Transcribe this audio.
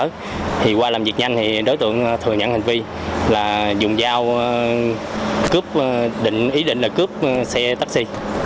thì qua làm việc nhanh thì đối tượng thừa nhận hành vi là dùng dao cướp ý định là cướp xe taxi